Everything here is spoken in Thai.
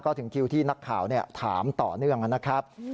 ก็ถึงคิวที่นักข่าวถามต่อเนื่องนะครับ